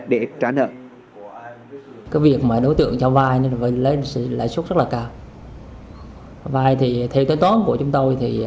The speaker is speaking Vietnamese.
để trả nợ